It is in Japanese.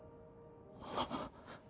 あっ。